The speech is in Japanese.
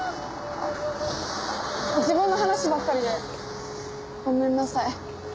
自分の話ばっかりでごめんなさい。